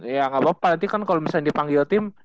ya nggak apa apa nanti kan kalau misalnya dipanggil tim